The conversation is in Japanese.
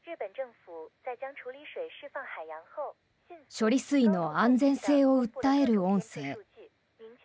処理水の安全性を訴える音声。